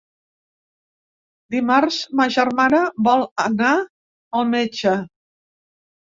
Dimarts ma germana vol anar al metge.